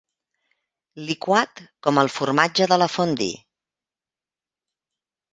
Liquat com el formatge de la fondue.